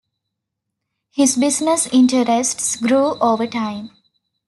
His business interests grew over time.